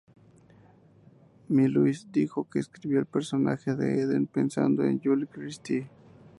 Milius dijo que escribió el personaje de Eden pensando en Julie Christie.